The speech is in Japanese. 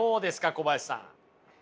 小林さん。